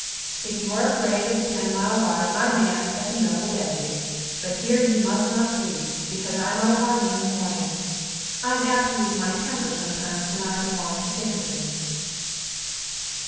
If you are afraid of the ten mile ride, my man at the mill will bed you. But here you must not sleep, because I might harm you in the morning. I am apt to lose my temper sometimes, when I go on to think of things."